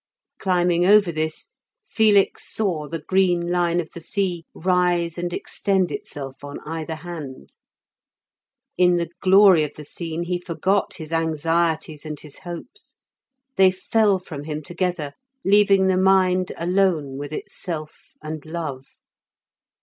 Climbing over this, Felix saw the green line of the sea rise and extend itself on either hand; in the glory of the scene he forgot his anxieties and his hopes, they fell from him together, leaving the mind alone with itself and love.